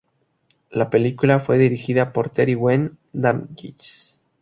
La película fue dirigida por Teri Wehn-Damisch.